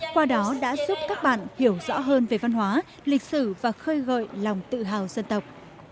qua đó đã giúp các bạn hiểu rõ hơn về văn hóa lịch sử và khơi gợi lòng tự hào dân tộc